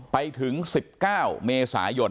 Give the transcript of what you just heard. ไปถึง๑๙เมษายน